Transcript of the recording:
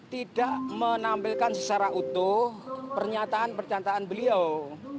tidak menampilkan secara utuh pernyataan pernyataan beliau